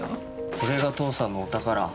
これが父さんのお宝。